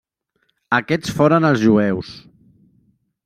Aquest foren els jueus.